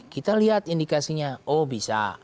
kita lihat indikasinya oh bisa